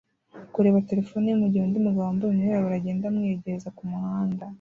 kureba terefone ye mugihe undi mugabo wambaye umwirabura agenda amwiyegereza kumuhanda